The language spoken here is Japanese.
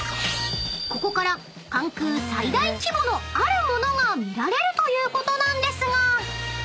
［ここから関空最大規模のあるモノが見られるということなんですが］